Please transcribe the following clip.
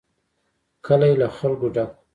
کلی له خلکو ډک و.